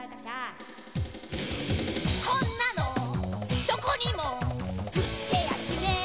「こんなのどこにも売ってやしめえ」